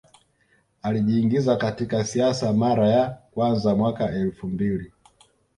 Alijiingiza katika siasa mara ya kwanza mwaka elfu mbili